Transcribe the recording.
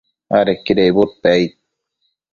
adequida icbudpec aid